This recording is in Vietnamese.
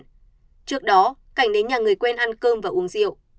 trước đó cảnh đến nhà người quen ăn cơm và uống rượu